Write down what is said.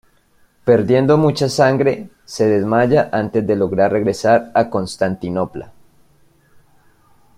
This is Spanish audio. Perdiendo mucha sangre, se desmaya antes de lograr regresar a Constantinopla.